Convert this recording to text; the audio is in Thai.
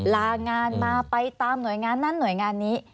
ลางานมาไปตามหน่วยงานนั้นหน่วยงานนี้